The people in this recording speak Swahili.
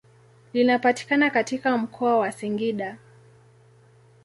Linapatikana katika mkoa wa Singida.